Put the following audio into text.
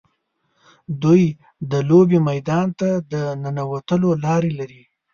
دوی د لوبې میدان ته د ننوتلو لارې لري.